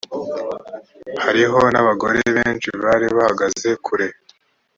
hariho n abagore benshi bari bahagaze kure